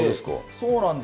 そうなんです。